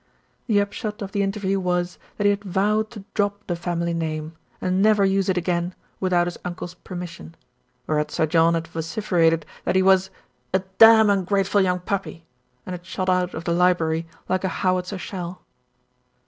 The upshot of the interview was that he had vowed to drop the family name, and never use it again with out his uncle's permission, whereat Sir John had vociferated that he was "a damned ungrateful young puppy," and had shot out of the library like a howitzer shell.